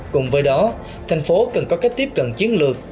cùng với đó thành phố cần có cách tiếp cận chiến lược